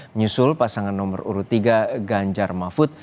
menyusul pasangan nomor urut tiga ganjar mahfud